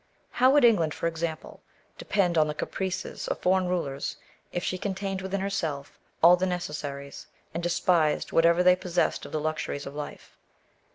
How would England, for example, depend on the caprices of foreign rulers, if she contained within herself all the neces saries, and despised whatever they possessed of the luxuries of life